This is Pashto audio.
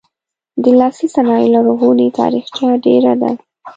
د لاسي صنایعو لرغونې تاریخچه ډیره ده.